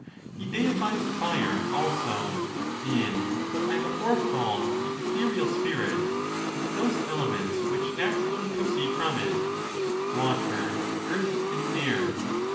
He dei fies fire also, and what I before called the ethereal spirit, and those elements which naturally proceed from it — wa ter, earth, and air.